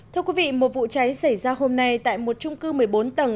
thưa quý vị một vụ cháy xảy ra hôm nay tại một trung cư một mươi bốn tầng